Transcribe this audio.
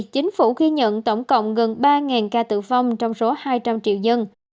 chính phủ ghi nhận tổng cộng gần ba ca tử vong trong số hai trăm linh triệu dân